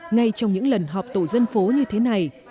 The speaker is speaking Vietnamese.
ngay trong những lần họp tổ dân phố như thế này